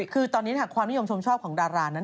คือตอนนี้ความนิยมชมชอบของดารานั้น